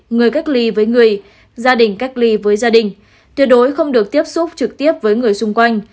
người cách ly với người gia đình cách ly với gia đình tuyệt đối không được tiếp xúc trực tiếp với người xung quanh